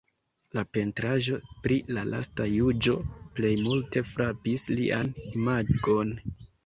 La pentraĵo pri la Lasta Juĝo plej multe frapis lian imagon.